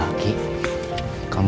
nanti kita besernya